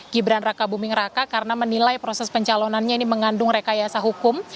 gibran raka buming raka karena menilai proses pencalonannya ini mengandung rekayasa hukum